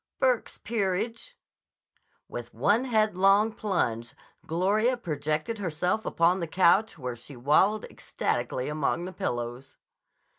"Burke's Peerage." With one headlong plunge Gloria projected herself upon the couch where she wallowed ecstatically among the pillows.